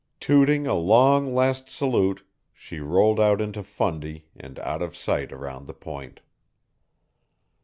Tooting a long, last salute, she rolled out into Fundy and out of sight around the point.